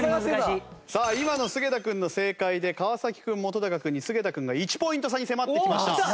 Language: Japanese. さあ今の菅田君の正解で川君本菅田君が１ポイント差に迫ってきました。